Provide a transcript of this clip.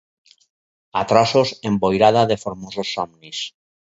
A trossos emboirada de formosos somnis